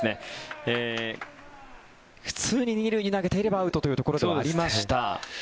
普通に２塁に投げていればアウトというところではありました。